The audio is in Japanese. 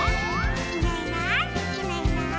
「いないいないいないいない」